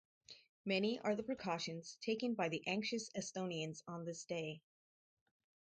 Many are the precautions taken by the anxious Estonians on this day.